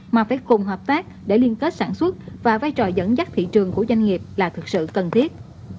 mapec cùng hợp tác để liên kết sản xuất và vai trò dẫn dắt thị trường của doanh nghiệp là thực sự cần thiết